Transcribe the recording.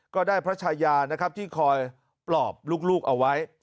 ก็ได้พระชายานะครับที่คอยปลอบลูกเอาไว้